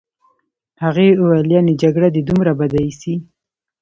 هغې وویل: یعني جګړه دي دومره بده ایسي.